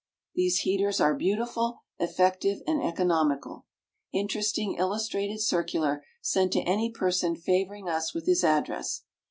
These Heaters are BEAUTIFUL, EFFECTIVE, and ECONOMICAL. Interesting Illustrated Circular sent to any person favoring us with his address.